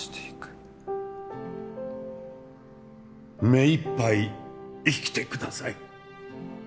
目いっぱい生きてください！